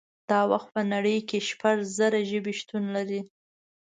دا وخت په نړۍ کې شپږ زره ژبې شتون لري